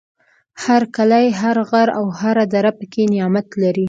هر کلی، هر غر او هر دره پکې نعمت لري.